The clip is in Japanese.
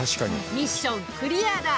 ミッションクリアだ！